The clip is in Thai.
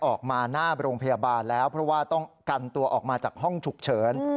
ออกมาหน้าโรงพยาบาลแล้วเพราะว่าต้องกันตัวออกมาจากห้องฉุกเฉิน